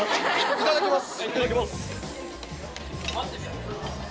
いただきます。